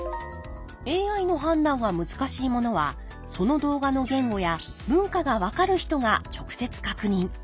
ＡＩの判断が難しいものはその動画の言語や文化が分かる人が直接確認。